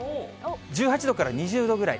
１８度から２０度ぐらい。